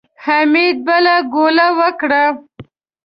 حميد بله ګوله وکړه.